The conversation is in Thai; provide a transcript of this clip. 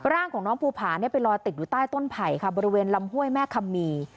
ร่างของน้องภูผาไปลอยติดอยู่ใต้ต้นไผ่ค่ะบริเวณลำห้วยแม่คำมี